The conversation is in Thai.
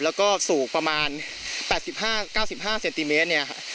แล้วก็สูกประมาณแปดสิบห้าเก้าสิบห้าเซนติเมตรเนี้ยค่ะ